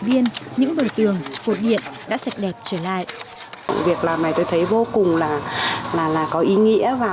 biên những bờ tường cột điện đã sạch đẹp trở lại việc làm này tôi thấy vô cùng là có ý nghĩa và